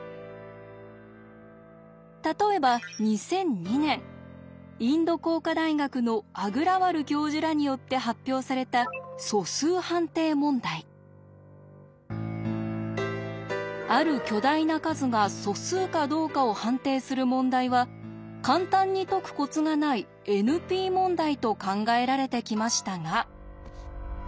例えば２００２年インド工科大学のアグラワル教授らによって発表されたある巨大な数が素数かどうかを判定する問題は簡単に解くコツがないＮＰ問題と考えられてきましたが。